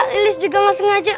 lilih juga nggak sengaja